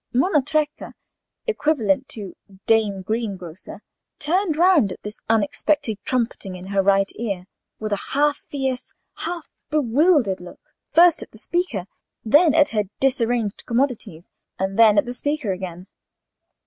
"Monna Trecca" (equivalent to "Dame Greengrocer") turned round at this unexpected trumpeting in her right ear, with a half fierce, half bewildered look, first at the speaker, then at her disarranged commodities, and then at the speaker again.